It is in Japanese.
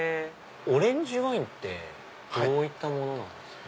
オレンジワインってどういったものなんですか？